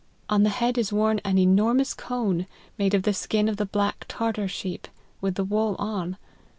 On the head is worn an enormous cone, made of the skin of the black Tar tar sheep, with the wool on.